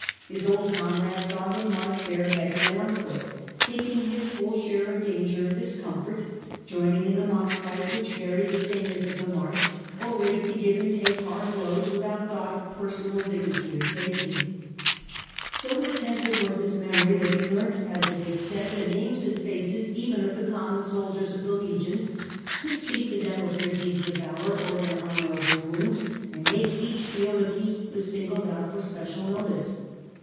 His old comrades saw him march bareheaded and on foot, taking his full share of danger and discomfort, joining in the mock fight which varied the sameness of the march, or ready to give and take hard blows without thought of personal dignity or safety. So retentive w as his memory that he learnt as it is saidL Loftffnvana.&reen Jr Co., London .Ktfw York <1c Bornbrii 97 117 . 29 Trajan, the names and faces even of the common soldiers of the legions, could speak to them of their deeds of valour or their honourable wounds, and make each feel that he was singled out for special notice.